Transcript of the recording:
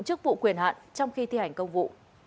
chức vụ quyền hạn trong khi thi hành công vụ